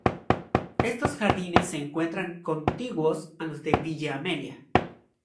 Estos jardines se encuentran contiguos a los de Villa Amelia.